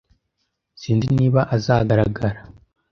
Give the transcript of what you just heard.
Sinzi niba azagaragara.